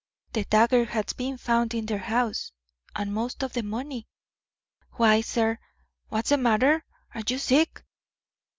The dagger has been found in their house, and most of the money. Why, sir, what's the matter? Are you sick?"